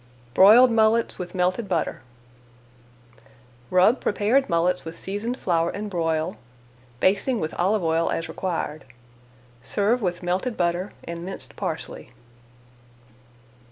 BROILED MULLETS WITH MELTED BUTTER Rub prepared mullets with seasoned flour and broil, basting with olive oil as required. Serve with melted butter and minced parsley.